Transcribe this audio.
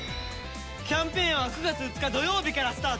キャンペーンは９月２日土曜日からスタート！